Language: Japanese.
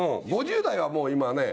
５０代はもう今はね